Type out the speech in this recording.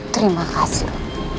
terima kasih rupi